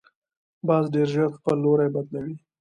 باز ډیر ژر خپل لوری بدلوي